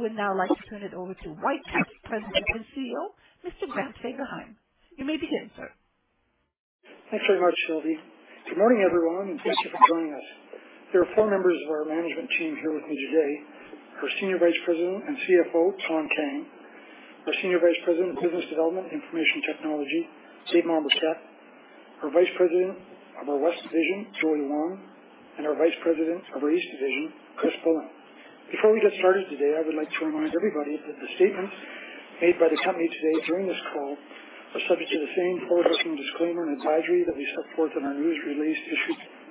I would now like to turn it over to Whitecap's President and CEO, Mr. Grant Fagerheim. You may begin, sir. Thanks very much, Shelby. Good morning, everyone, and thank you for joining us. There are four members of our management team here with me today. Our Senior Vice President and CFO, Thanh Kang, our Senior Vice President of Business Development and Information Technology, Steve Mobassef, our Vice President of our West Division, Judd Wing, and our Vice President of our East Division, Chris Baldwin. Before we get started today, I would like to remind everybody that the statements made by the company today during this call are subject to the same forward-looking disclaimer and advisory that we set forth in our news release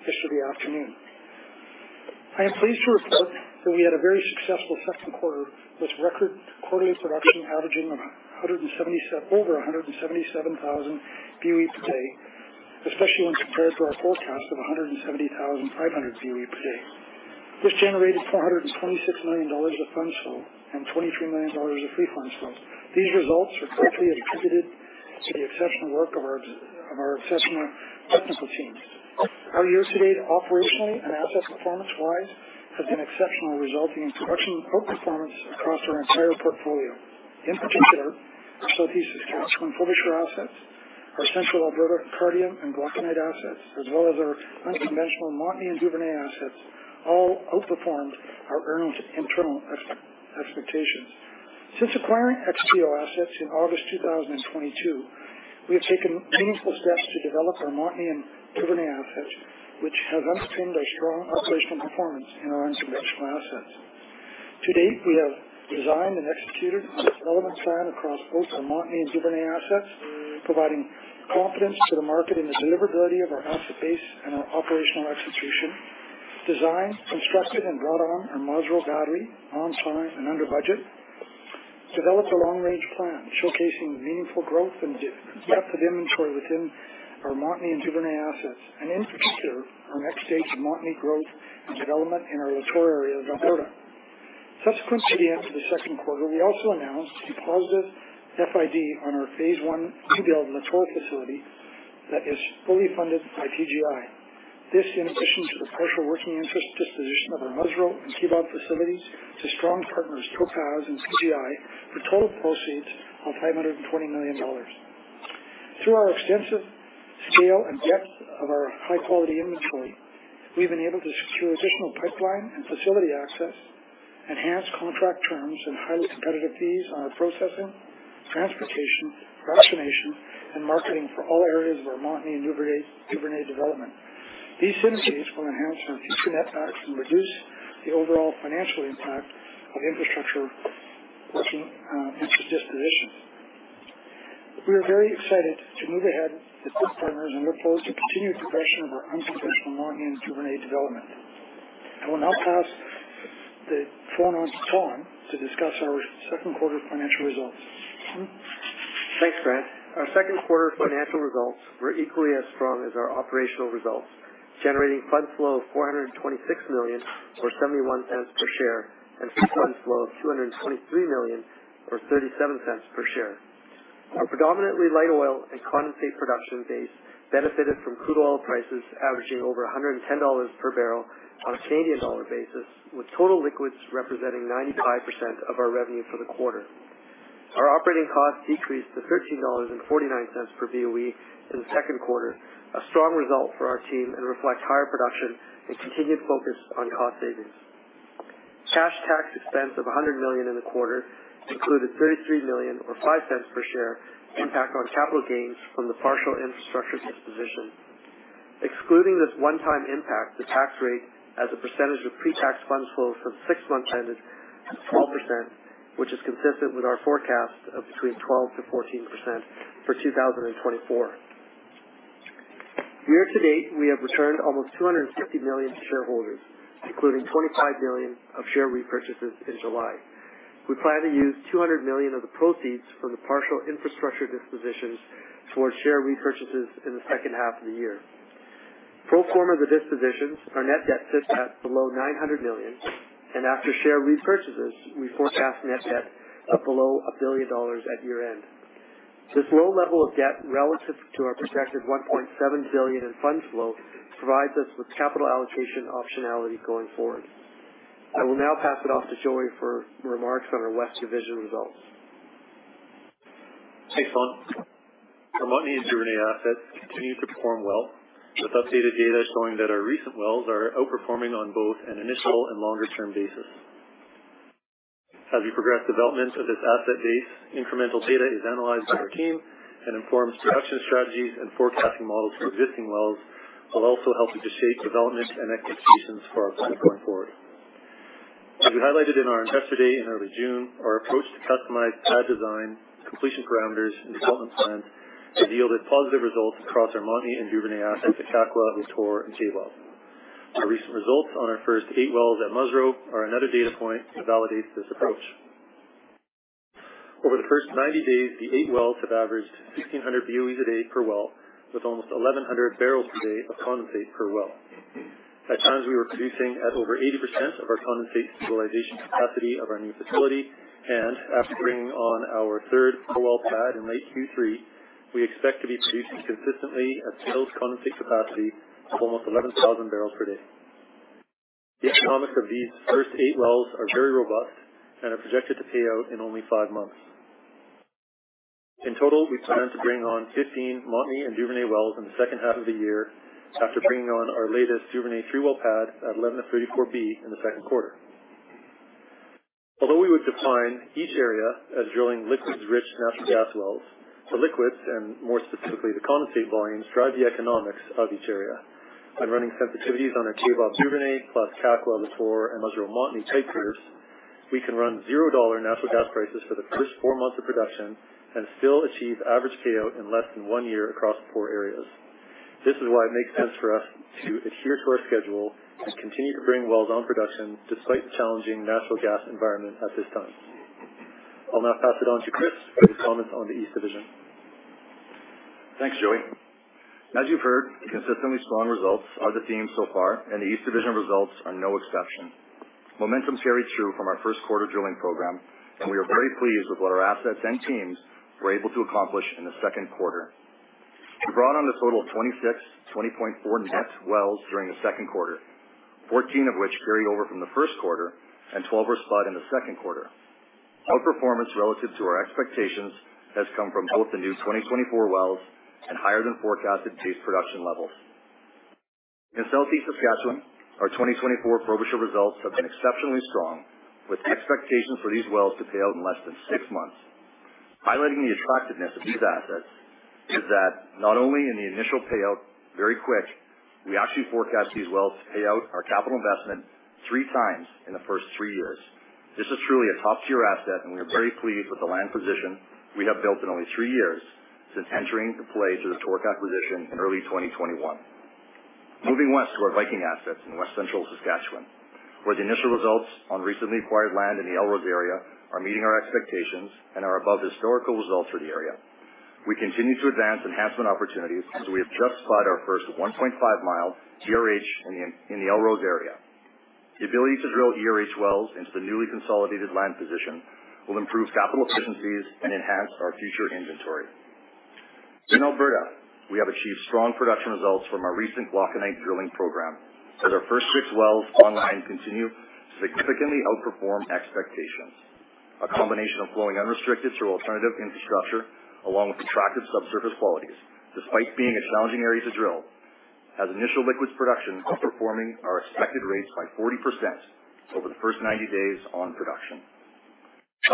this very afternoon. I am pleased to report that we had a very successful second quarter with record quarterly production averaging over 177,000 BOE/d, especially when compared to our forecast of 170,500 BOE/d. This generated $426 million of funds flow and $23 million of free funds flow. These results are directly attributed to the exceptional work of our assessment technical teams. Our year-to-date, operationally and asset performance-wise, has been exceptional, resulting in production outperformance across our entire portfolio. In particular, our Southeast Saskatchewan Frobisher assets, our Central Alberta Cardium and Glauconite assets, as well as our unconventional Montney and Duvernay assets, all outperformed our internal expectations. Since acquiring XTO assets in August 2022, we have taken meaningful steps to develop our Montney and Duvernay assets, which have underpinned our strong operational performance in our unconventional assets. To date, we have designed and executed a development plan across both our Montney and Duvernay assets, providing confidence to the market in the deliverability of our asset base and our operational execution. Designed, constructed, and brought on our Musreau battery on time and under budget. Developed a long-range plan, showcasing meaningful growth and de-risked tapped inventory within our Montney and Duvernay assets, and in particular, our next stage of Montney growth and development in our Latornell area of Alberta. Subsequent to the end of the second quarter, we also announced a positive FID on our phase one redeveloped Latornell facility that is fully funded by PGI. This, in addition to the partial working interest disposition of our Musreau and Kaybob facilities to strong partners, Topaz and PGI, for total proceeds of $520 million. Through our extensive scale and depth of our high-quality inventory, we've been able to secure additional pipeline and facility access, enhanced contract terms and highly competitive fees on our processing, transportation, fractionation, and marketing for all areas of our Montney and Duvernay, Duvernay development. These synergies will enhance our future netbacks and reduce the overall financial impact of infrastructure working into disposition. We are very excited to move ahead with these partners and look forward to continued progression of our unconventional Montney and Duvernay development. I will now pass the phone on to Thanh to discuss our second quarter financial results. Thanh? Thanks, Grant. Our second quarter financial results were equally as strong as our operational results, generating fund flow of $426 million, or $0.71 per share, and free fund flow of $223 million, or $0.37 per share. Our predominantly light oil and condensate production base benefited from crude oil prices averaging over $110 per barrel on a Canadian dollar basis, with total liquids representing 95% of our revenue for the quarter. Our operating costs decreased to $13.49 per BOE in the second quarter, a strong result for our team and reflects higher production and continued focus on cost savings. Cash tax expense of $100 million in the quarter included $33 million, or $0.05 per share, impact on capital gains from the partial infrastructure disposition. Excluding this one-time impact, the tax rate as a percentage of pre-tax fund flow for the six months ended was 12%, which is consistent with our forecast of between 12%-14% for 2024. Year to date, we have returned almost $250 million to shareholders, including $25 million of share repurchases in July. We plan to use $200 million of the proceeds from the partial infrastructure dispositions towards share repurchases in the second half of the year. Pro forma the dispositions, our net debt sits at below $900 million, and after share repurchases, we forecast net debt of below $1 billion at year-end. This low level of debt relative to our projected $1.7 billion in fund flow provides us with capital allocation optionality going forward. I will now pass it off to Judd for remarks on our West Division results. Thanks, Than. Our Montney and Duvernay assets continue to perform well, with updated data showing that our recent wells are outperforming on both an initial and longer-term basis. As we progress development of this asset base, incremental data is analyzed by our team and informs production strategies and forecasting models for existing wells, while also helping to shape development and acquisitions for our plan going forward. As we highlighted in our Investor Day in early June, our approach to customized pad design, completion parameters, and development plans have yielded positive results across our Montney and Duvernay assets at Kakwa, Latornell, and Kaybob. Our recent results on our first eight wells at Musreau are another data point that validates this approach. Over the first 90 days, the eight wells have averaged 1,600 BOEs a day per well, with almost 1,100 barrels per day of condensate per well. At times, we were producing at over 80% of our condensate stabilization capacity of our new facility, and after bringing on our third well pad in late Q3. We expect to be producing consistently at full condensate capacity of almost 11,000 barrels per day. The economics of these first eight wells are very robust and are projected to pay out in only five months. In total, we plan to bring on 15 Montney and Duvernay wells in the second half of the year, after bringing on our latest Duvernay three well pad at 11-34 B in the second quarter. Although we would define each area as drilling liquids-rich natural gas wells, the liquids, and more specifically, the condensate volumes, drive the economics of each area. Running sensitivities on our two well Duvernay plus Kakwa, Latornell, and Montney type curves, we can run $0 natural gas prices for the first four months of production and still achieve average payout in less than one year across the four areas. This is why it makes sense for us to adhere to our schedule and continue to bring wells on production, despite the challenging natural gas environment at this time. I'll now pass it on to Chris for his comments on the East Division. Thanks, Judd. As you've heard, consistently strong results are the theme so far, and the East Division results are no exception. Momentum carried through from our first quarter drilling program, and we are very pleased with what our assets and teams were able to accomplish in the second quarter. We brought on a total of 26.4 net wells during the second quarter, 14 of which carried over from the first quarter and 12 were spud in the second quarter. Outperformance relative to our expectations has come from both the new 2024 wells and higher than forecasted base production levels. In Southeast Saskatchewan, our 2024 Frobisher results have been exceptionally strong, with expectations for these wells to pay out in less than six months. Highlighting the attractiveness of these assets is that not only in the initial payout, very quick, we actually forecast these wells to pay out our capital investment three times in the first three years. This is truly a top-tier asset, and we are very pleased with the land position we have built in only three years since entering the play through the TORC acquisition in early 2021. Moving west to our Viking assets in West Central Saskatchewan, where the initial results on recently acquired land in the Elrose area are meeting our expectations and are above historical results for the area. We continue to advance enhancement opportunities, so we have just bought our first 1.5 mile ERH in the Elrose area. The ability to drill ERH wells into the newly consolidated land position will improve capital efficiencies and enhance our future inventory. In Alberta, we have achieved strong production results from our recent Glauconite drilling program, as our first six wells online continue to significantly outperform expectations. A combination of flowing unrestricted through alternative infrastructure, along with attractive subsurface qualities, despite being a challenging area to drill, has initial liquids production outperforming our expected rates by 40% over the first 90 days on production.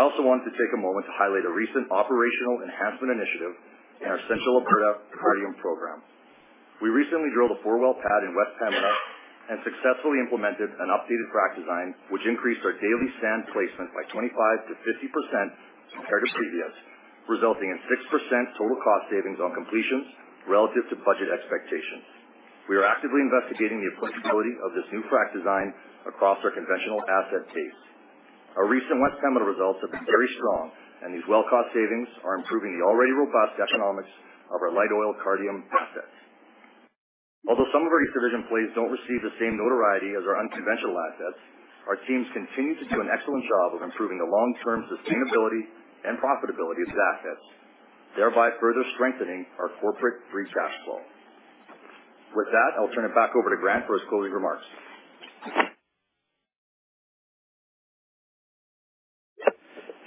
I also want to take a moment to highlight a recent operational enhancement initiative in our Central Alberta Cardium program. We recently drilled a four well pad in West Pembina and successfully implemented an updated frack design, which increased our daily sand placement by 25%-50% compared to previous, resulting in 6% total cost savings on completions relative to budget expectations. We are actively investigating the applicability of this new frack design across our conventional asset base. Our recent West Pembina results have been very strong, and these well cost savings are improving the already robust economics of our light oil Cardium assets. Although some of our East Division plays don't receive the same notoriety as our unconventional assets, our teams continue to do an excellent job of improving the long-term sustainability and profitability of the assets, thereby further strengthening our corporate free cash flow. With that, I'll turn it back over to Grant for his closing remarks.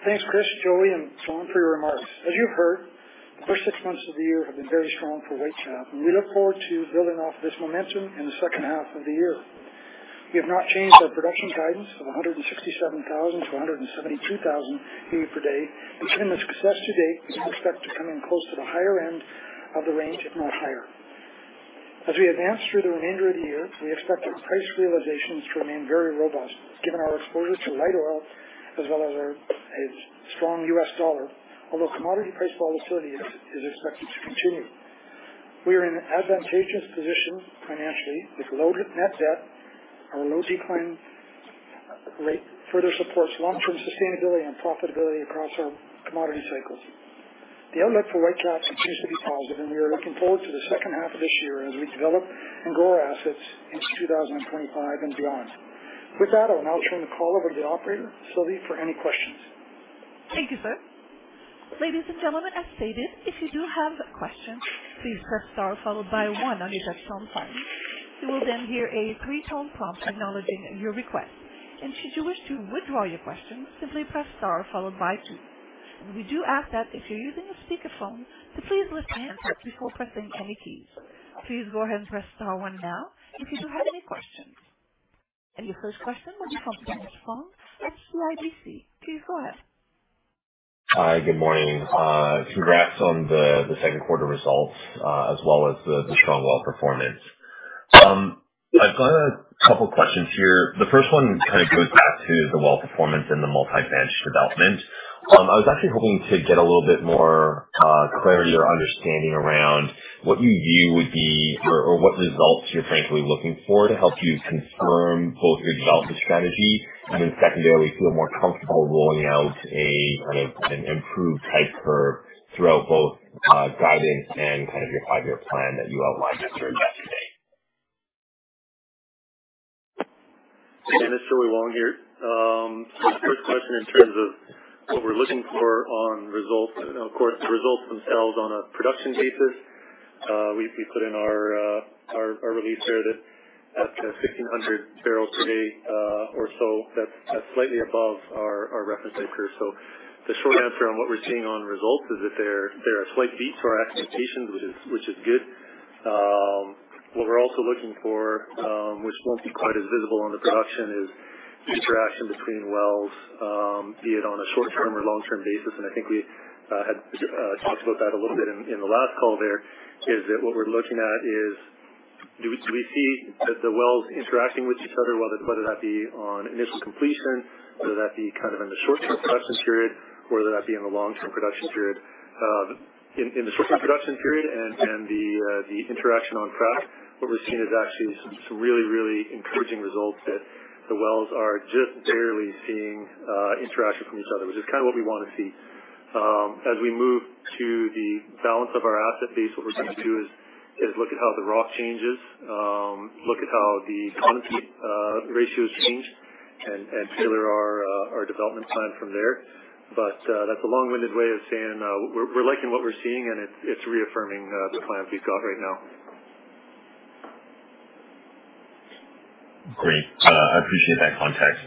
Thanks, Chris, Judd, and Sean, for your remarks. As you've heard, the first six months of the year have been very strong for Whitecap, and we look forward to building off this momentum in the second half of the year. We have not changed our production guidance of 167,000 to 172,000 barrels per day, and given the success to date, we expect to come in close to the higher end of the range, if not higher. As we advance through the remainder of the year, we expect our price realizations to remain very robust, given our exposure to light oil as well as our a strong US dollar. Although commodity price volatility is expected to continue. We are in an advantageous position financially with low net debt. Our low decline rate further supports long-term sustainability and profitability across our commodity cycles. The outlook for Whitecap continues to be positive, and we are looking forward to the second half of this year as we develop and grow our assets into 2025 and beyond. With that, I'll now turn the call over to the operator, Sylvia, for any questions. Thank you, sir. Ladies and gentlemen, as stated, if you do have questions, please press star followed by one on your touchtone phone. You will then hear a three tone prompt acknowledging your request, and should you wish to withdraw your question, simply press star followed by two. We do ask that if you're using a speakerphone, to please lift your handset before pressing any keys. Please go ahead and press star one now if you do have any questions. And your first question will be from Dennis Fong at CIBC. Please go ahead. Hi, good morning. Congrats on the second quarter results, as well as the strong well performance. I've got a couple questions here. The first one kind of goes back to the well performance and the multi-stage development. I was actually hoping to get a little bit more clarity or understanding around what you view would be or what results you're frankly looking for to help you confirm both your development strategy and then secondarily, feel more comfortable rolling out a kind of an improved type curve throughout both guidance and kind of your five-year plan that you outlined yesterday? [inaudible] First question in terms of what we're looking for on results, and of course, the results themselves on a production basis, we put in our release there that at 1,500 barrels per day or so that's slightly above our reference anchor. So the short answer on what we're seeing on results is that they're a slight beat to our expectations, which is good. What we're also looking for, which won't be quite as visible on the production, is interaction between wells, be it on a short-term or long-term basis. And I think we had talked about that a little bit in the last call there, is that what we're looking at is do we see the wells interacting with each other, whether that be on initial completion, whether that be kind of in the short-term production period, or whether that be in the long-term production period. In the short-term production period and the interaction on frac, what we're seeing is actually some, some really, really encouraging results that the wells are just barely seeing interaction from each other, which is kind of what we want to see. As we move to the balance of our asset base, what we're going to do is look at how the rock changes, look at how the ratios change and tailor our development plan from there. But that's a long-winded way of saying, we're liking what we're seeing, and it's reaffirming the plans we've got right now. Great. I appreciate that context.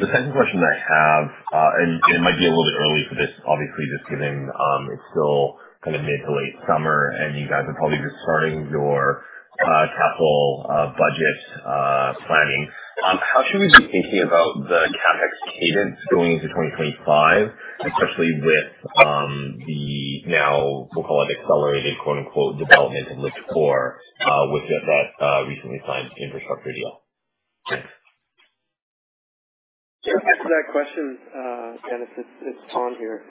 The second question I have, and it might be a little bit early for this, obviously, just given it's still kind of mid to late summer, and you guys are probably just starting your capital budget planning. How should we be thinking about the CapEx cadence going into 2025, especially with the now, we'll call it accelerated, quote unquote, "development" of Latornell, with that recently signed infrastructure deal? Thanks. To answer that question, and if it's, it's Thanh here.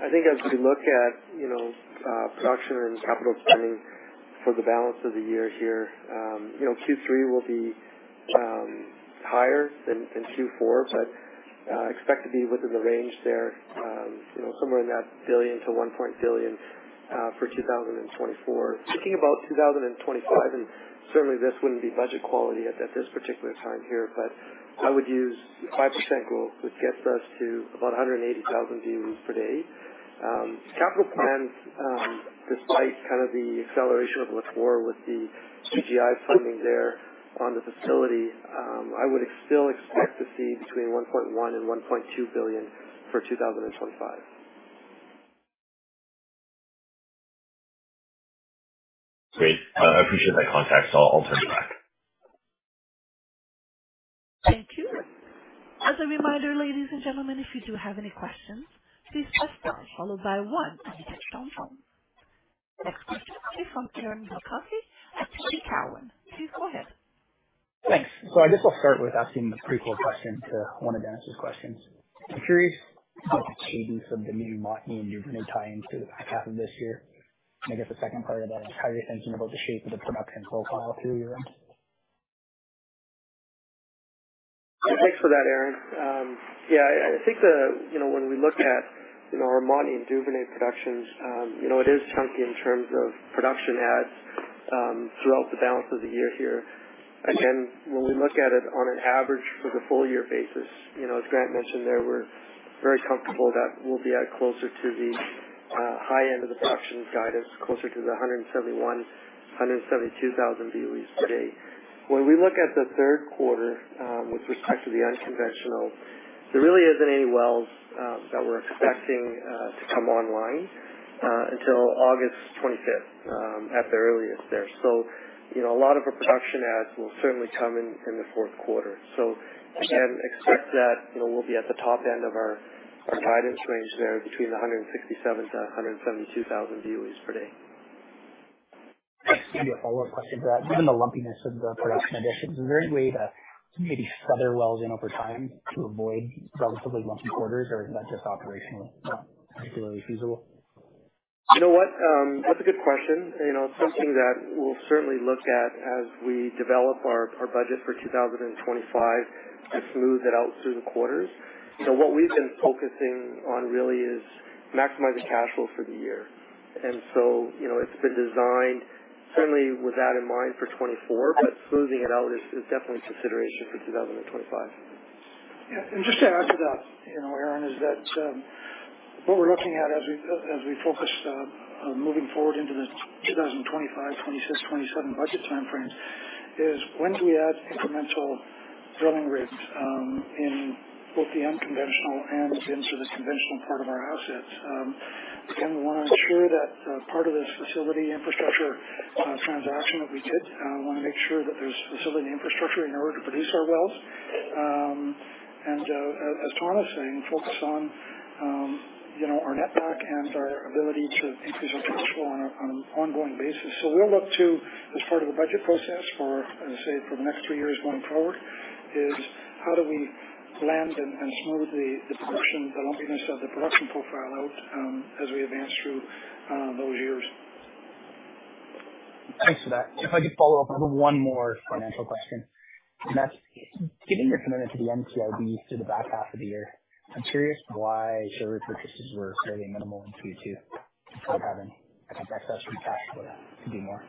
I think as we look at, you know, production and capital spending for the balance of the year here, you know, Q3 will be higher than in Q4, but expect to be within the range there, you know, somewhere in that $1 billion-$1.1 billion for 2024. Thinking about 2025, and certainly this wouldn't be budget quality at this particular time here, but I would use 5% growth, which gets us to about 180,000 BOE/d Capital plans, despite kind of the acceleration of Latornell with the PGI funding there on the facility, I would still expect to see between $1.1 billion and $1.2 billion for 2025. Great. I appreciate that context. I'll turn it back. Thank you. As a reminder, ladies and gentlemen, if you do have any questions, please press star followed by one on your touchtone phone. Next question is from Aaron Bilkoski at TD Cowen. Please go ahead. Thanks. So I guess I'll start with asking the prequel question to one of Dennis's questions. I'm curious about the cadence of the new Montney and Duvernay tie-in to the back half of this year. I guess the second part of that is, how are you thinking about the shape of the production profile through year-end? Thanks for that, Aaron. You know, when we look at our Montney and Duvernay productions, you know, it is chunky in terms of production adds throughout the balance of the year here. Again, when we look at it on an average for the full-year basis, you know, as Grant mentioned there, we're very comfortable that we'll be at closer to the high end of the production guidance, closer to the 171,000-172,000 BOEs per day. When we look at the third quarter, with respect to the unconventional, there really isn't any wells that we're expecting to come online until August 25 at the earliest there. So, you know, a lot of the production adds will certainly come in in the fourth quarter. So again, expect that, you know, we'll be at the top end of our guidance range there between 167,000-172,000 BOEs per day. Maybe a follow-up question to that. Given the lumpiness of the production additions, is there any way to maybe feather wells in over time to avoid relatively lumpy quarters, or is that just operationally not particularly feasible? You know what? That's a good question. You know, it's something that we'll certainly look at as we develop our budget for 2025 to smooth it out through the quarters. So what we've been focusing on really is maximizing cash flow for the year. And so, you know, it's been designed certainly with that in mind for 2024, but smoothing it out is definitely a consideration for 2025. Yeah, and just to add to that, you know, Aaron, is that what we're looking at as we focus on moving forward into this 2025, 2026, 2027 budget timeframes, is when do we add incremental drilling rigs in both the unconventional and into the conventional part of our assets? Again, we want to ensure that part of this facility infrastructure transaction that we did, we want to make sure that there's facility infrastructure in order to produce our wells. And, as Than is saying, focus on, you know, our netback and our ability to increase our cash flow on a, on an ongoing basis. So we'll look to, as part of the budget process for, let's say, for the next three years going forward, is how do we blend and smooth the production, the lumpiness of the production profile out, as we advance through those years? Thanks for that. If I could follow up with one more financial question, and that's given your commitment to the NCIB through the back half of the year, I'm curious why share repurchases were fairly minimal in Q2, despite having, I think, excess free cash flow to do more?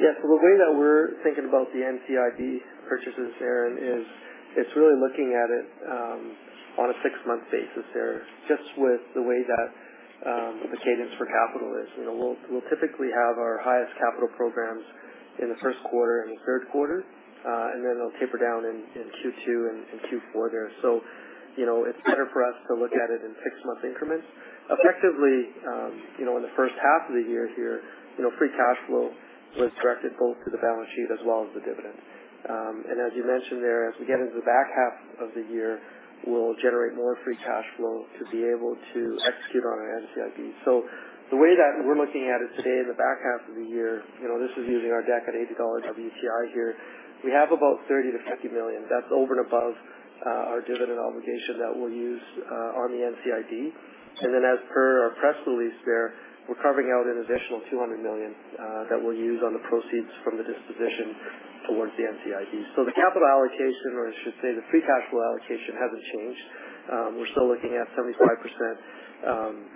Yes, so the way that we're thinking about the NCIB purchases, Aaron, is it's really looking at it on a six-month basis here, just with the way that the cadence for capital is. You know, we'll typically have our highest capital programs in the first quarter and the third quarter, and then it'll taper down in Q2 and in Q4 there. So, you know, it's better for us to look at it in six-month increments. Effectively, you know, in the first half of the year here, you know, free cash flow was directed both to the balance sheet as well as the dividend. And as you mentioned there, as we get into the back half of the year, we'll generate more free cash flow to be able to execute on our NCIB. So the way that we're looking at it today, in the back half of the year, you know, this is using our deck at $80 WTI here. We have about $30 million-$50 million. That's over and above our dividend obligation that we'll use on the NCIB. And then as per our press release there, we're carving out an additional $200 million that we'll use on the proceeds from the disposition towards the NCIB. So the capital allocation, or I should say the free cash flow allocation, hasn't changed. We're still looking at 75%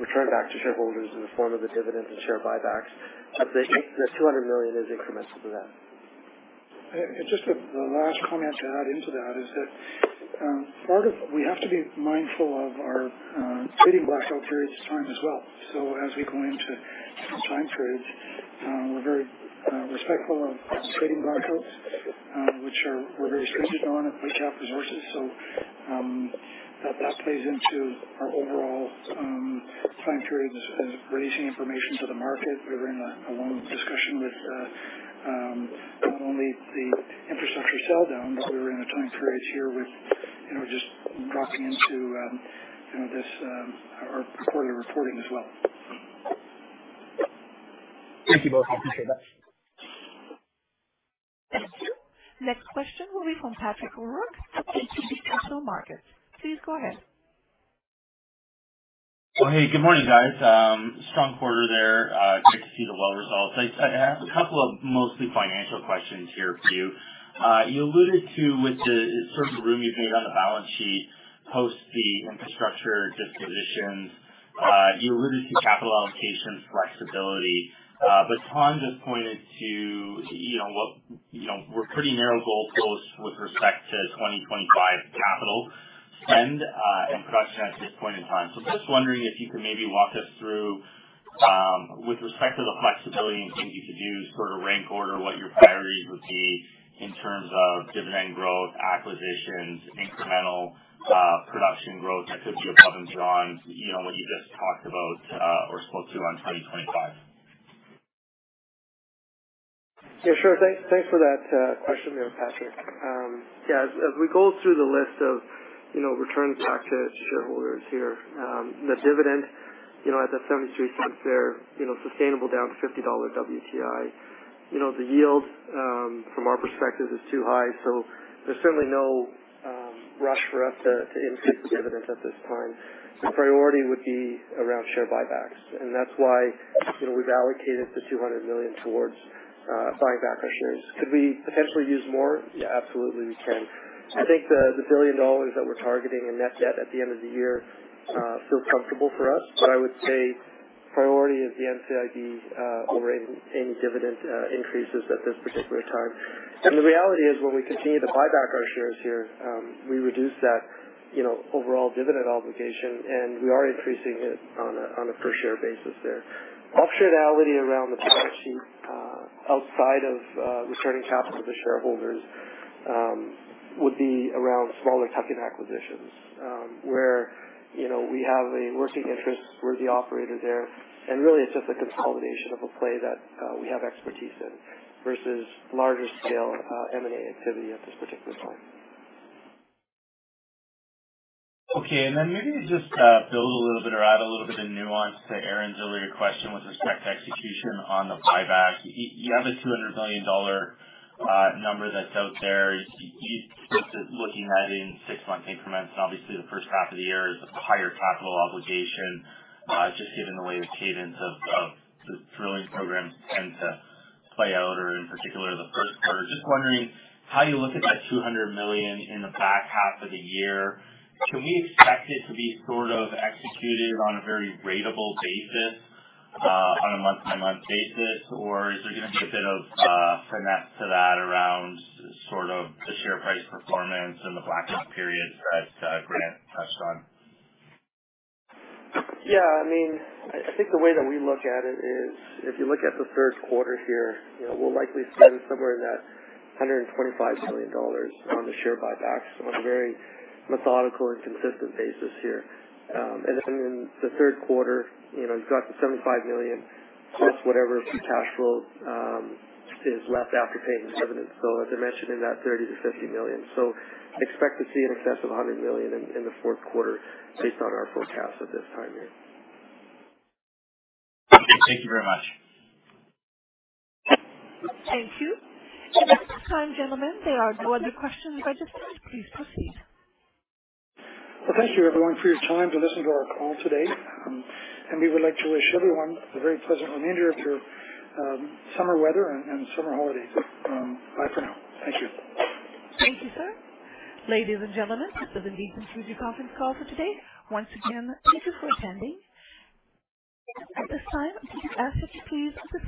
return back to shareholders in the form of the dividend and share buybacks. The $200 million is incremental to that. And just the last comment to add into that is that part of, We have to be mindful of our trading blackout period this time as well. So as we go into some time periods, we're very respectful of trading blackouts, which we are very stringent on at Whitecap Resources. So that plays into our overall time periods as releasing information to the market. We're in a long discussion with not only the infrastructure sell down, but we're in the time periods here with, you know, just locking into, you know, this our quarterly reporting as well. Thank you both. I appreciate that. Thank you. Next question will be from Patrick O'Rourke at ATB Capital Markets. Please go ahead. Well, hey, good morning, guys. Strong quarter there. Great to see the well results. I have a couple of mostly financial questions here for you. You alluded to with the sort of room you've made on the balance sheet post the infrastructure dispositions. You alluded to capital allocation flexibility, but Than just pointed to, you know, what, you know, were pretty narrow goalposts with respect to 2025 capital spend, and production at this point in time. So just wondering if you could maybe walk us through, with respect to the flexibility and things you could do, sort of rank order what your priorities would be in terms of dividend growth, acquisitions, incremental, production growth that could be above and beyond, you know, what you just talked about, or spoke to on 2025? Yeah, sure. Thanks, thanks for that, question there, Patrick. Yeah, as we go through the list of, you know, returns back to shareholders here, the dividend, you know, at that $0.73 there, you know, sustainable down to $50 WTI. You know, the yield, from our perspective, is too high, so there's certainly no, rush for us to increase the dividend at this time. The priority would be around share buybacks, and that's why, you know, we've allocated the $200 million towards, buying back our shares. Could we potentially use more? Yeah, absolutely, we can. I think the $1 billion that we're targeting in net debt at the end of the year, feel comfortable for us, but I would say priority is the NCIB, over any dividend increases at this particular time. The reality is, when we continue to buy back our shares here, we reduce that, you know, overall dividend obligation, and we are increasing it on a per share basis there. Optionality around the balance sheet, outside of returning capital to the shareholders, would be around smaller tuck-in acquisitions, where, you know, we have a working interest with the operator there, and really it's just a consolidation of a play that we have expertise in versus larger scale M&A activity at this particular time. Okay, and then maybe just build a little bit or add a little bit of nuance to Aaron's earlier question with respect to execution on the buyback. You have a $200 million number that's out there. You're looking at it in six month increments, and obviously, the first half of the year is a higher capital obligation, just given the way the cadence of the drilling programs tend to play out or in particular, the first quarter. Just wondering how you look at that $200 million in the back half of the year. Can we expect it to be sort of executed on a very ratable basis, on a month-by-month basis? Or is there gonna be a bit of finesse to that around sort of the share price performance and the blackout periods that Grant touched on? Yeah, I mean, I think the way that we look at it is, if you look at the first quarter here, you know, we'll likely spend somewhere in that $125 million on the share buyback. So on a very methodical and consistent basis here. And then in the third quarter, you know, you've got the $75 million, plus whatever free cash flow is left after paying the dividend. So as I mentioned in that $30 million-$50 million. So expect to see in excess of $100 million in the fourth quarter based on our forecast at this time here. Okay, thank you very much. Thank you. At this time, gentlemen, there are no other questions registered. Please proceed. Well, thank you, everyone, for your time to listen to our call today, and we would like to wish everyone a very pleasant remainder of your summer weather and summer holidays. Bye for now. Thank you. Thank you, sir. Ladies and gentlemen, this does indeed conclude the conference call for today. Once again, thank you for attending. At this time, we would ask that you please disconnect.